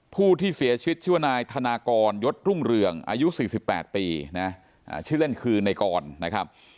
ผู้ที่เสียชีวิตชื่อว่านายธนากรยศรุ่งเรืองอายุ๔๘ปีนะชื่อเล่นคือในกรนะครับ